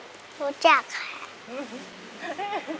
ปีหน้าหนูต้อง๖ขวบให้ได้นะลูก